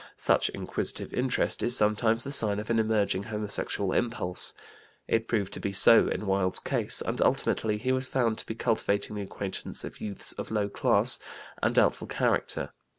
Such inquisitive interest is sometimes the sign of an emerging homosexual impulse. It proved to be so in Wilde's case and ultimately he was found to be cultivating the acquaintance of youths of low class and doubtful character.